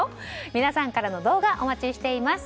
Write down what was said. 皆さんからの動画お待ちしています。